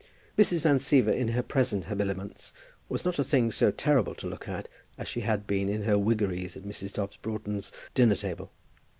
Mrs. Van Siever in her present habiliments was not a thing so terrible to look at as she had been in her wiggeries at Mrs. Dobbs Broughton's dinner table.